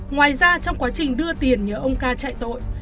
ngoài ra trong quá trình đưa tiền nhớ ông ca chạy tội